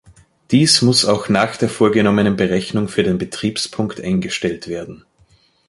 Dies muss auch nach der vorgenommenen Berechnung für den Betriebspunkt eingestellt werden.